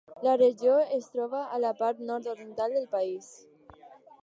La regió es troba a la part nord-oriental del país.